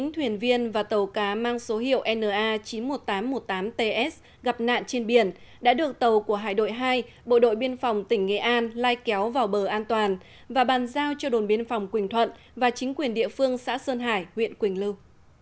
chín thuyền viên và tàu cá mang số hiệu na chín mươi một nghìn tám trăm một mươi tám ts gặp nạn trên biển đã được tàu của hải đội hai bộ đội biên phòng tỉnh nghệ an lai kéo vào bờ an toàn và bàn giao cho đồn biên phòng quỳnh thuận và chính quyền địa phương xã sơn hải huyện quỳnh lưu